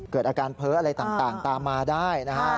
เกิดอาการเพ้ออะไรต่างตามมาได้นะครับ